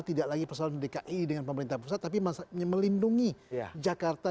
tidak lagi persoalan dki dengan pemerintah pusat tapi melindungi jakarta